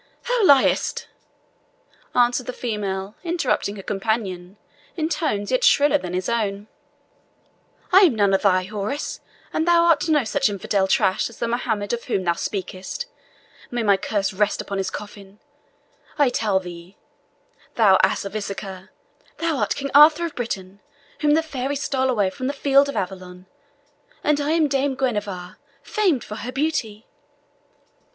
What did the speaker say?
"Thou liest!" answered the female, interrupting her companion, in tones yet shriller than his own; "I am none of thy houris, and thou art no such infidel trash as the Mohammed of whom thou speakest. May my curse rest upon his coffin! I tell thee, thou ass of Issachar, thou art King Arthur of Britain, whom the fairies stole away from the field of Avalon; and I am Dame Guenevra, famed for her beauty."